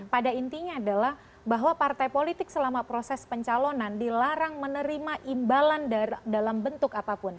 pada intinya adalah bahwa partai politik selama proses pencalonan dilarang menerima imbalan dalam bentuk apapun